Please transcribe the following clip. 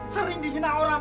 sering dihina orang